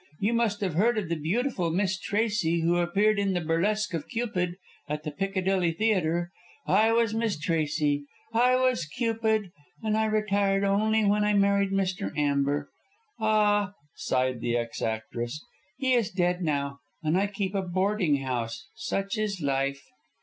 You must have heard of the beautiful Miss Tracey, who appeared in the burlesque of 'Cupid,' at the Piccadilly Theatre I was Miss Tracey. I was Cupid, and I retired only when I married Mr. Amber. Ah!" sighed the ex actress, "he is dead now, and I keep a boarding house. Such is life!"